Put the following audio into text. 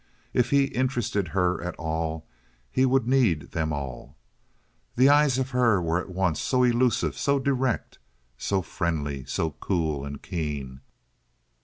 If he interested her at all, he would need them all. The eyes of her were at once so elusive, so direct, so friendly, so cool and keen.